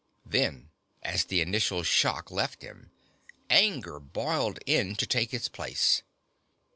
Then, as the initial shock left him, anger boiled in to take its place.